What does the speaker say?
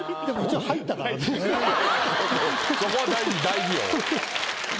そこは大事大事よ。